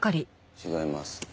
違います。